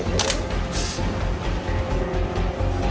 peninggan itu saya sampaikan